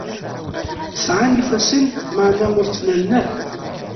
Sɛan ifassen, lameɛna ur ttnalen ara.